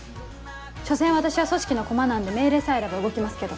所詮私は組織のコマなんで命令さえあれば動きますけど。